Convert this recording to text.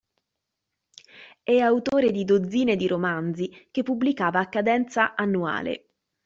È autore di dozzine di romanzi che pubblicava a cadenza annuale.